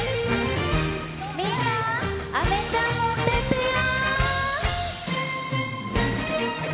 みんなあめちゃん持ってってや！